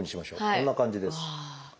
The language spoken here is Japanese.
こんな感じです。